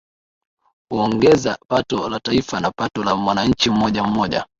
Huongeza pato la taifa na pato la mwananchi mmoja mmoja